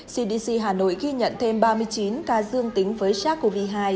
cdc hà nội ghi nhận thêm ba mươi chín ca dương tính với sars cov hai